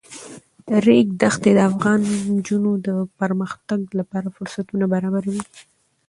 د ریګ دښتې د افغان نجونو د پرمختګ لپاره فرصتونه برابروي.